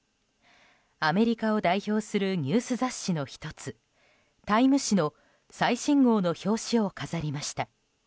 アメリカを代表するニュース雑誌の１つ「タイム」誌の最新号の表紙を飾りました。